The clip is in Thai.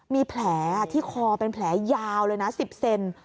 มีแผลที่คอเป็นแผลยาวเลยนะ๑๐เซน